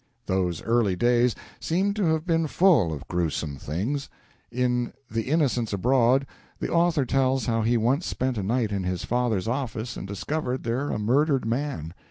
Those early days seem to have been full of gruesome things. In "The Innocents Abroad," the author tells how he once spent a night in his father's office and discovered there a murdered man.